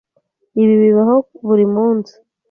Ibi bibaho buri munsi.